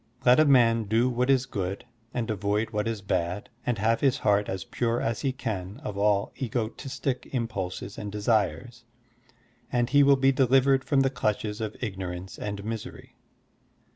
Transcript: Let a man do what is good and avoid what is bad and have his heart as pure as he can of all egotistic impulses and desires, and he will be deliver^ from the clutches of ignorance and misery.